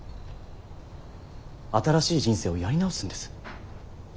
新しい人生をやり直すんです。